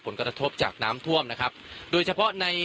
ตอนนี้ผมอยู่ในพื้นที่อำเภอโขงเจียมจังหวัดอุบลราชธานีนะครับ